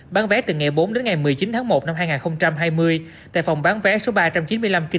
bán vé từ ngày bốn đến ngày một mươi chín tháng một năm hai nghìn hai mươi